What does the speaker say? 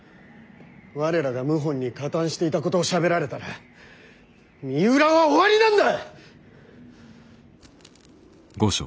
我らが謀反に加担していたことをしゃべられたら三浦は終わりなんだ！